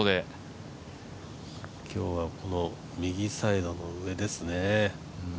今日は右サイドの上ですね。